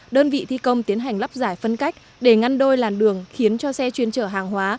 đơn vị thi công tiến hành lắp giải phân cách để ngăn đôi làn đường khiến cho xe chuyên chở hàng hóa